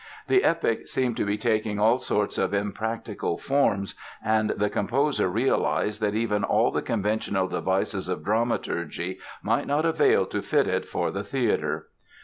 The epic seemed to be taking all sorts of impractical forms and the composer realized that even all the conventional devices of dramaturgy might not avail to fit it for the theatre.